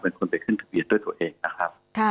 เป็นคนไปขึ้นทะเบียนด้วยตัวเองนะครับ